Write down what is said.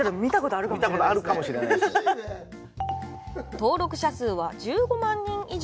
登録者数は１５万人以上。